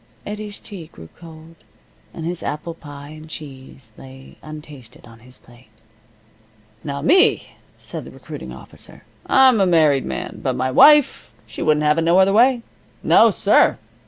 Eddie's tea grew cold, and his apple pie and cheese lay untasted on his plate. "Now me," said the recruiting officer, "I'm a married man. But my wife, she wouldn't have it no other way. No, sir!